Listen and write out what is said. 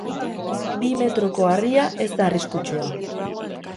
Bi metroko harria ez da arriskutsua.